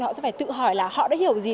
họ sẽ phải tự hỏi là họ đã hiểu gì